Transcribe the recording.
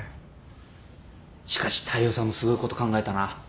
しかし大陽さんもすごいこと考えたな。